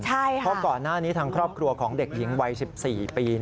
เพราะก่อนหน้านี้ทางครอบครัวของเด็กหญิงวัย๑๔ปี